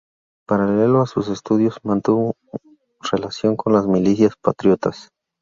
Paralelo a sus estudios, mantuvo relación con las milicias patriotas.